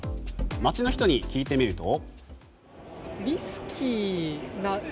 街の人に聞いてみると。